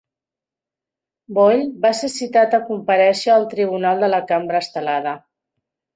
Boyle va ser citat a comparèixer al tribunal de la Cambra Estelada.